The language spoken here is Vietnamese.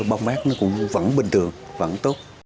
bông mát nó cũng vẫn bình thường vẫn tốt